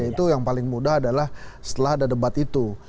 itu yang paling mudah adalah setelah ada debat itu